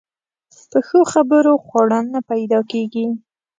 په ښو خبرو خواړه نه پیدا کېږي.